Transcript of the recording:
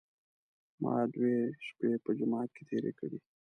ما دوې شپې په جومات کې تېرې کړې.